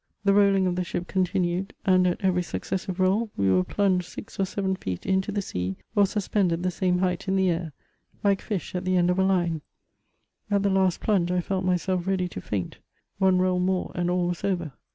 The rolling of the ship continued ; and at every successive roll we were plunged six or seven feet into the eea, or suspended the same height in the air, like fish at the end of a line : at the last plunge I felt myself ready to faint ; one roll more and all was over.